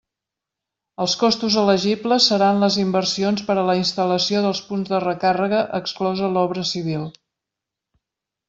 Els costos elegibles seran les inversions per a la instal·lació dels punts de recàrrega exclosa l'obra civil.